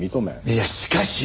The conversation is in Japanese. いやしかし！